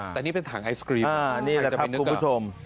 แต่นี่เป็นถังไอศกรีมจะเป็นคุณผู้ชม